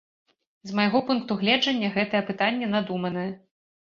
З майго пункту гледжання, гэтае пытанне надуманае.